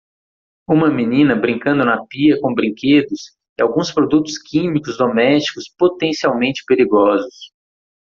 Uma menina brincando na pia com brinquedos e alguns produtos químicos domésticos potencialmente perigosos